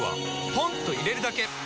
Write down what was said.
ポンと入れるだけ！